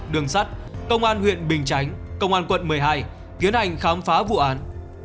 đường sắt công an huyện bình chánh công an quận một mươi hai tiến hành khám phá vụ án